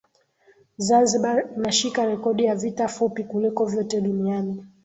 Zanzibar inashika rekodi ya vita fupi kuliko vyote duniani